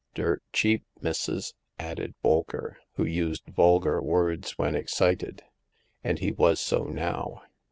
*' Dirt cheap, missus !'* added Bolker, who used vulgar words when excited, and he was so now.